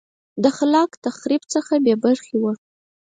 د خلاق تخریب څخه بې برخې وه